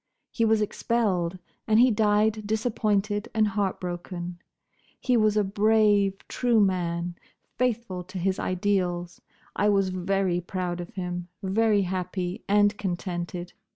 He was expelled, and he died disappointed and heartbroken. He was a brave, true man, faithful to his ideals. I was very proud of him; very happy and contented.